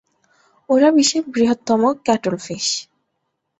ওরা বিশ্বের বৃহত্তম কাটলফিশ।